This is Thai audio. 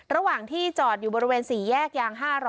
ระหว่างที่จอดอยู่บริเวณ๔แยกยาง๕๐๐